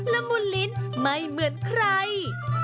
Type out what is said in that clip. ละมุนลิ้นไม่เหมือนใคร